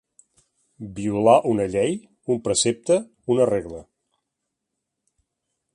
Violar una llei, un precepte, una regla.